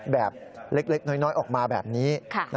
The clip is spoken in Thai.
แบบเล็กน้อยออกมาแบบนี้